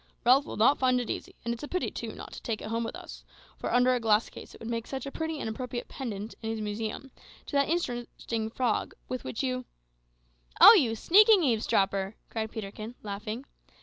"Ralph will not find it easy; and it's a pity, too, not to take it home with us, for under a glass case it would make such a pretty and appropriate pendant, in his museum, to that interesting frog with which you " "Oh, you sneaking eavesdropper!" cried Peterkin, laughing.